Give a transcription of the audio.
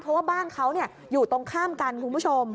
เพราะว่าบ้านเขาอยู่ตรงข้ามกันคุณผู้ชม